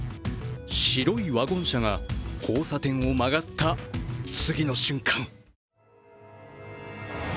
白いワゴン車が交差点を曲がった次の瞬間。